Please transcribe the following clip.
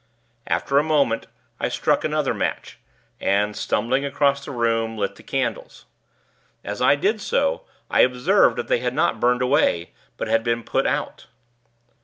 After a moment, I struck another match, and, stumbling across the room, lit the candles. As I did so, I observed that they had not burned away, but had been put out.